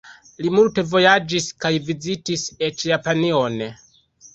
Li multe vojaĝis kaj vizitis eĉ Japanion.